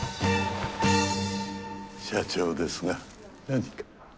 社長ですが何か？